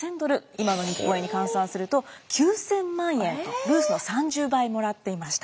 今の日本円に換算すると９，０００万円とルースの３０倍もらっていました。